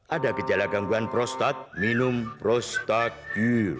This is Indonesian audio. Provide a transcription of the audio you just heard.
ada gejala gangguan prostat minum prostagir